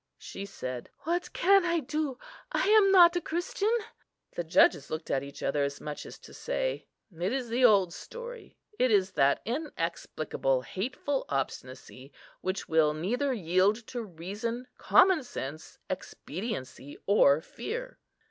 She said, "What can I do? I am not a Christian." The judges looked at each other, as much as to say, "It is the old story; it is that inexplicable, hateful obstinacy, which will neither yield to reason, common sense, expediency, or fear."